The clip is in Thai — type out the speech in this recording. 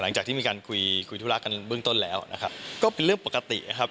หลังจากที่มีการคุยคุยธุระกันเบื้องต้นแล้วนะครับก็เป็นเรื่องปกตินะครับ